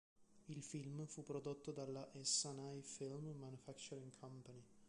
Il film fu prodotto dalla Essanay Film Manufacturing Company.